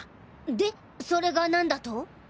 でそれが何だと？